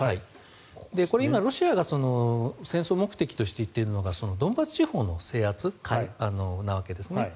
これ、今、ロシアが戦争目的として言っているのがドンバス地方の制圧なわけですね。